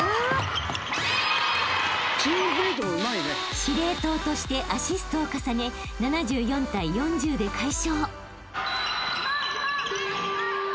［司令塔としてアシストを重ね７４対４０で快勝］